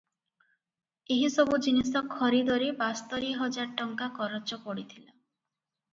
ଏହିସବୁ ଜିନିଷ ଖରିଦରେ ବାସ୍ତରି ହଜାର ଟଙ୍କା କରଚ ପଡ଼ିଥିଲା ।